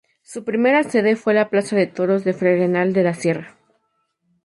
Su primera sede fue la Plaza de Toros de Fregenal de la Sierra.